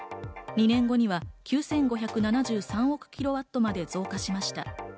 ２年後には９５７３億キロワットまで増加しました。